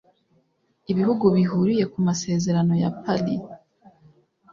ibihugu bihuriye ku masezerano ya paris